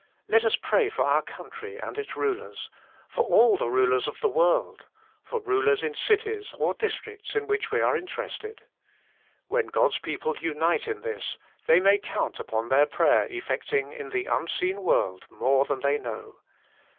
Let us pray for our country and its rulers ; for all the rulers of the world ; for rulers in cities or districts in which we are interested. When God s people unite in this, they may count upon their Erayer effecting in the unseen world more than they know.